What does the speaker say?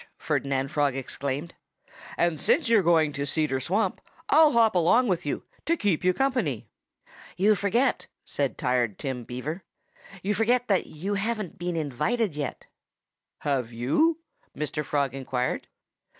Ferdinand Frog exclaimed. "And since you're going to Cedar Swamp, I'll hop along with you, to keep you company." "You forget " said Tired Tim Beaver "you forget that you haven't been invited yet." "Have you?" Mr. Frog inquired.